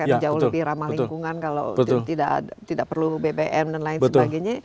karena jauh lebih ramah lingkungan kalau tidak perlu bbm dan lain sebagainya